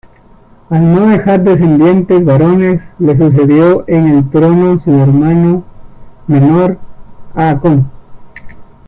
Al no dejar descendientes varones, le sucedió en el trono su hermano menor, Haakon.